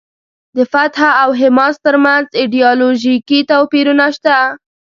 د فتح او حماس ترمنځ ایډیالوژیکي توپیرونه شته.